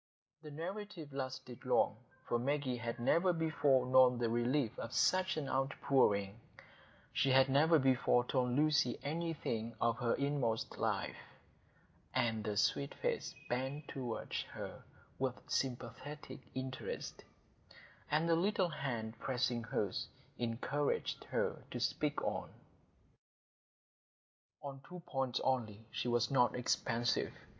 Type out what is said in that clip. The narrative lasted long, for Maggie had never before known the relief of such an outpouring; she had never before told Lucy anything of her inmost life; and the sweet face bent toward her with sympathetic interest, and the little hand pressing hers, encouraged her to speak on. On two points only she was not expansive.